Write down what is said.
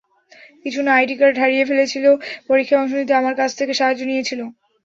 কিছু না, আইডিকার্ড হারিয়ে ফেলেছিল পরীক্ষায় অংশ নিতে আমার কাছ থেকে সাহায্য নিয়েছিলো।